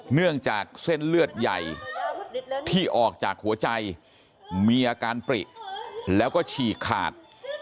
เนื่องจากเส้นเลือดใหญ่ที่ออกจากหัวใจมีอาการปริแล้วก็ฉีกขาด